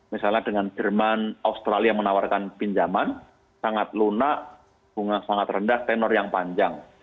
misalnya dengan jerman australia menawarkan pinjaman sangat lunak bunga sangat rendah tenor yang panjang